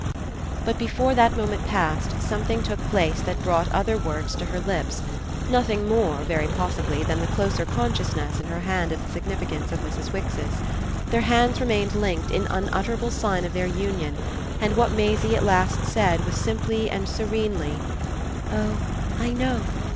But before that moment passed something took place that brought other words to her lips; nothing more, very possibly, than the closer consciousness in her hand of the significance of Mrs. Wix's. Their hands remained linked in unutterable sign of their union, and what Maisie at last said was simply and serenely: "Oh I know!"